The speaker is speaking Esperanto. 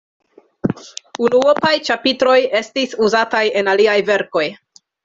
Unuopaj ĉapitroj estis uzataj en aliaj verkoj.